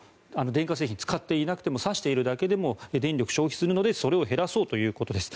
電化製品を使っていなくても挿しているだけでも電力を消費するのでそれを減らそうということです。